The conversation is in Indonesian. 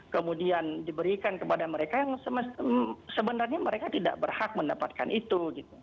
kemudian diberikan kepada mereka yang sebenarnya mereka tidak berhak mendapatkan itu